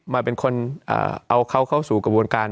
มาเป็นคนเอาเขาเข้าสู่กระบวนการ